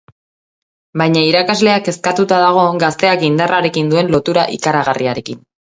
Baina irakaslea kezkatuta dago gazteak indarrarekin duen lotura ikaragarriarekin.